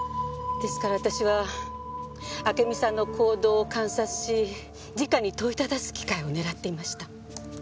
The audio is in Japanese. ですから私は暁美さんの行動を観察しじかに問いただす機会を狙っていました。